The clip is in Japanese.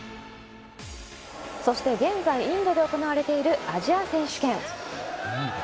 そして現在、インドで行われているアジア選手権。